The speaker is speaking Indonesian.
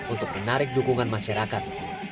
untuk menarik dukungan masyarakat